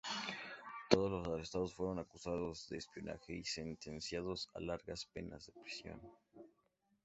Todos los arrestados fueron acusados de espionaje y sentenciados a largas penas de prisión.